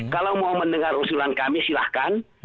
kalau mau mendengar usulan kami silahkan